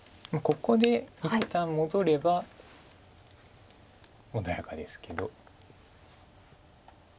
ここで一旦戻れば穏やかですけど。